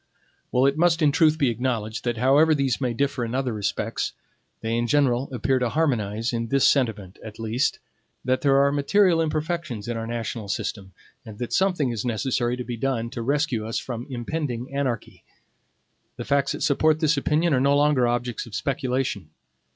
It must in truth be acknowledged that, however these may differ in other respects, they in general appear to harmonize in this sentiment, at least, that there are material imperfections in our national system, and that something is necessary to be done to rescue us from impending anarchy. The facts that support this opinion are no longer objects of speculation.